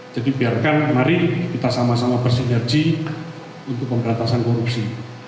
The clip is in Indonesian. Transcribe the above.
jadi biarkan mari kita bersinergi untuk pemberantasan korupsi